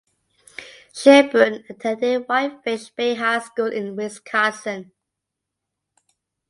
Sherburne attended Whitefish Bay High School in Wisconsin.